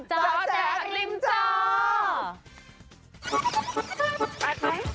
เจ้าแจ๊กริมเจ้า